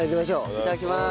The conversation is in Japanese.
いただきます。